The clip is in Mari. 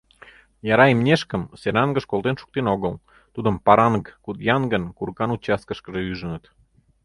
Яра имнешкым Серангыш колтен шуктен огыл, — тудым Паранг-Кудьянгын курыкан участкышкыже ӱжыныт.